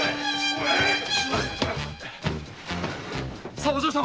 さお嬢様！